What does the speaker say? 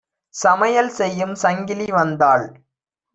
சமையல் செய்யும் சங்கிலி வந்தாள்!